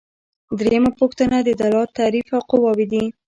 دریمه پوښتنه د دولت تعریف او قواوې دي.